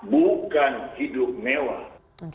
bukan hidup mewah